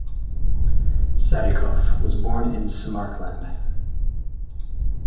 Sadikov was born in Samarkand.